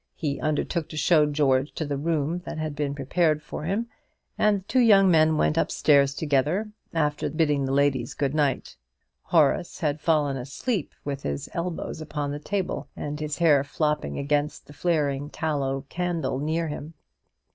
He undertook to show George to the room that had been prepared for him, and the two young men went up stairs together, after bidding the ladies good night. Horace had fallen asleep, with his elbows upon the table, and his hair flopping against the flaring tallow candle near him.